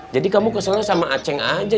jadi kamu keselnya sama aceng aja